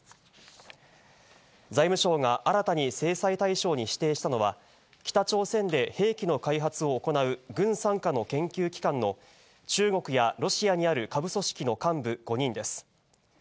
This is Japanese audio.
財務省が新たに制裁対象に指定したのは、北朝鮮で兵器の開発を行う軍傘下の研究機関の中国やロシアにある下部組織の幹部５人です。